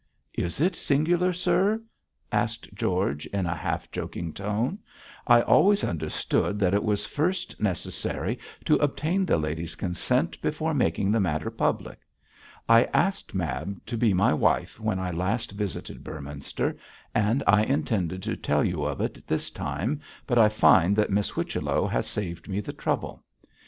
'Is it singular, sir?' asked George, in a half joking tone. 'I always understood that it was first necessary to obtain the lady's consent before making the matter public. I asked Mab to be my wife when I last visited Beorminster, and I intended to tell you of it this time, but I find that Miss Whichello has saved me the trouble.